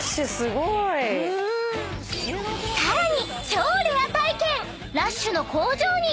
［さらに超レア体験］